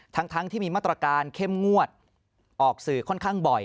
ทั้งที่มีมาตรการเข้มงวดออกสื่อค่อนข้างบ่อย